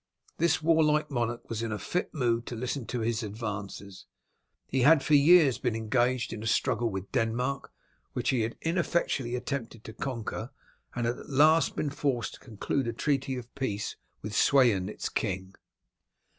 This warlike monarch was in a fit mood to listen to his advances; he had for years been engaged in a struggle with Denmark, which he had ineffectually attempted to conquer, and had at last been forced to conclude a treaty of peace with Sweyn, its king.